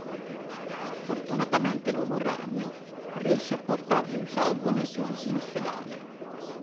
Fortunatamente l'Uomo Ragno riesce a portarlo in salvo nel più vicino ospedale.